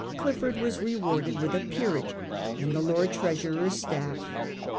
194), Clifford was re warded with a peerage and the Lord Treasurer's staff.